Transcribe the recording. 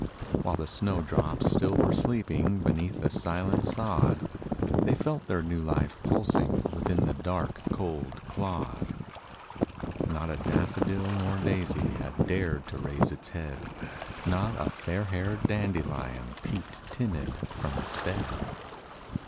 While the snow drops still were sleeping Beneath the silent sod; They felt their new life pulsing Within the dark, cold clod. Not a daffodil nor daisy Had dared to raise its head; Not a fairhaired dandelion Peeped timid from its bed; THE CROCUSES.